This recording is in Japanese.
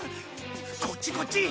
こっちこっち。